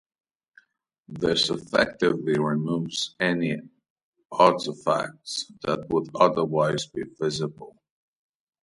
This effectively removes any artefacts that would otherwise be visible.